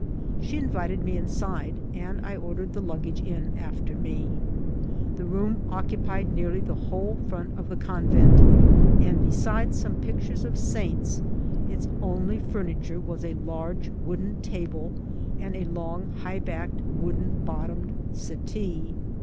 She invited me inside, and I ordered the luggage in after me. The room oc cupied nearly the whole front of the convent, and be sides some pictures of saints, its only furniture was a large wooden table, and a long, high backed, wooden bottomed settee.